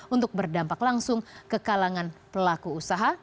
untuk berdampak langsung ke kalangan pelaku usaha